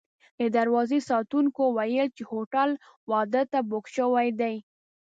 د دروازې ساتونکو ویل چې هوټل واده ته بوک شوی دی.